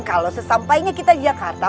kalau sesampainya kita jakarta